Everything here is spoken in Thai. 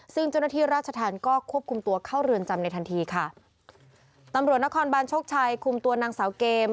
ซึ่งเจ้าหน้าที่ราชธรรมก็ควบคุมตัวเข้าเรือนจำในทันทีค่ะตำรวจนครบานโชคชัยคุมตัวนางสาวเกม